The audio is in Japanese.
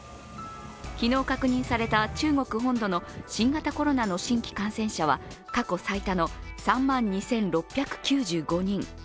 昨日確認された中国本土の新型コロナの新規感染者は過去最多の３万２６９５人。